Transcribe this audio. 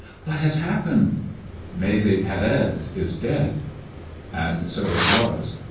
"What has happened?" "Maese Pérez is dead!" And so it was.